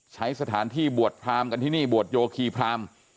ใช้สถานที่บวชพรามกันที่นี่บวชโยคีพราม